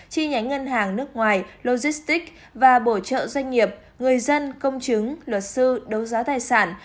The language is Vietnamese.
chi nhánh ngân hàng nước ngoài logistics và bổ trợ doanh nghiệp người dân công chứng luật sư đấu giá tài sản